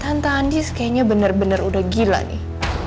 santa andis kayaknya bener bener udah gila nih